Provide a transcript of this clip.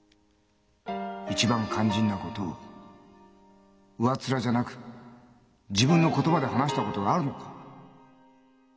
一番肝心なことを上っ面じゃなく自分の言葉で話したことがあるのか？